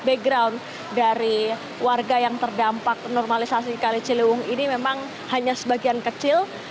background dari warga yang terdampak normalisasi kali ciliwung ini memang hanya sebagian kecil